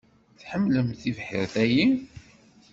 Tḥemlemt tibḥirt-ayi?